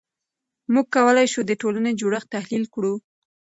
موږ کولای شو د ټولنې جوړښت تحلیل کړو.